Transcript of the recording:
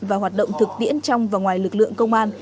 và hoạt động thực tiễn trong và ngoài lực lượng công an